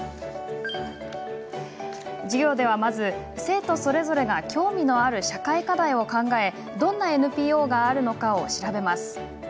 授業ではまず、生徒それぞれが興味のある社会課題を考えどんなＮＰＯがあるのかを調べます。